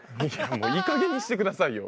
もういいかげんにしてくださいよ